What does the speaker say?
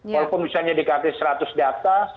walaupun misalnya dikasih seratus data